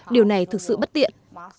điều này thực sự bất tiện